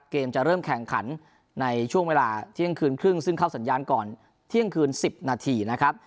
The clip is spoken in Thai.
เกมจะเริ่มแข่งขันในช่วงเวลาเที่ยงคืนครึ่งซึ่งเข้าสัญญาณก่อนเที่ยงคืน๑๐นาทีนะครับ